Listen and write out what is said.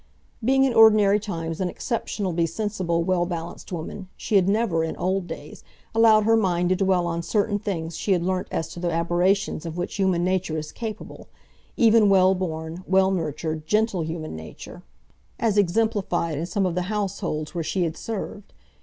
Being at ordinary times an exceptionally sensible, well balanced woman, she had never, in old days, allowed her mind to dwell on certain things she had learnt as to the aberrations of which human nature is capable—even well born, well nurtured, gentle human nature—as exemplified in some of the households where she had served.